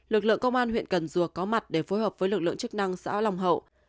lực lượng công an huyện cần duộc có mặt để phối hợp với lực lượng chức năng xã lòng hậu